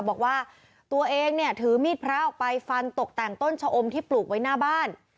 บอกว่าตัวเองเนี่ยถือมีดพระออกไปฟันตกแต่งต้นชะอมที่ปลูกไว้หน้าบ้าน